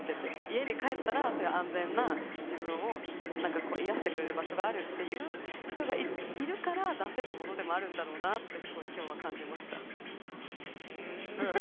家に帰ったらそういう安全な自分をなんか癒やしてくれる場所があるっていう人がいるから出せるものでもあるんだろうなってすごい今日は感じました。